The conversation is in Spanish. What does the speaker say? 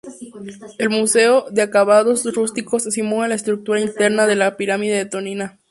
El museo, de acabados rústicos, simula la estructura interna de la pirámide de Toniná.